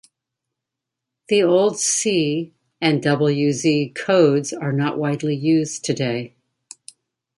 The old C and W Z Codes are not widely used today.